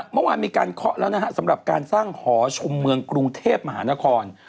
เมื่อวานมีการเคาะแล้วนะฮะสำหรับการสร้างหอชุมเมืองกรุงเทพมหานคร